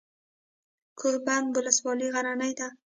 کوه بند ولسوالۍ غرنۍ ده؟